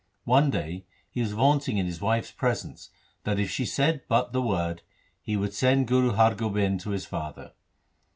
One day he was vaunting in his wife's pre sence, that if she said but the word, he would send Guru Har Gobind to his father.